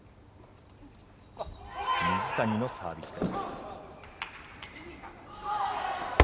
水谷のサービスです。